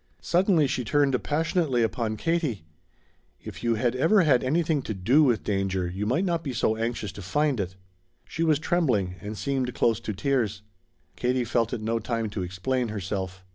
Suddenly she turned passionately upon Katie. "If you had ever had anything to do with danger you might not be so anxious to find it." She was trembling, and seemed close to tears. Katie felt it no time to explain herself.